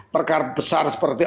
perkara besar seperti